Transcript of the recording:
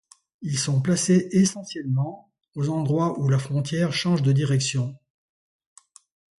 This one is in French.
Ils sont placés essentiellement aux endroits où la frontière change de direction.